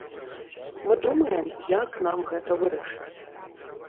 Мы думаем, як нам гэта вырашыць.